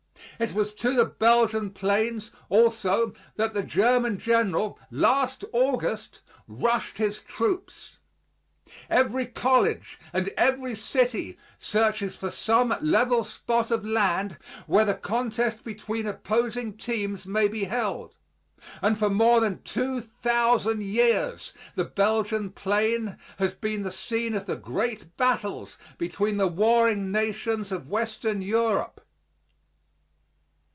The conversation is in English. It was to the Belgian plains, also, that the German general, last August, rushed his troops. Every college and every city searches for some level spot of land where the contest between opposing teams may be held, and for more than two thousand years the Belgian plain has been the scene of the great battles between the warring nations of Western Europe.